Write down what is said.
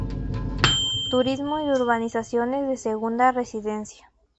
Turismo y urbanizaciones de segunda residencia.